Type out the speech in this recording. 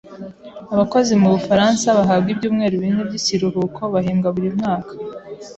Abakozi mu Bufaransa bahabwa ibyumweru bine by'ikiruhuko bahembwa buri mwaka.